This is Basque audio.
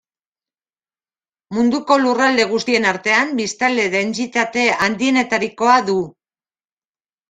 Munduko lurralde guztien artean biztanle dentsitate handienetarikoa du.